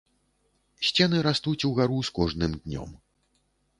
Сцены растуць угару з кожным днём.